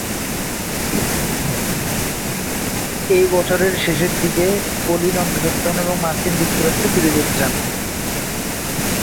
এই বছরের শেষের দিকে পলিন অন্তঃসত্ত্বা হন এবং মার্কিন যুক্তরাষ্ট্রে ফিরে যেতে চান।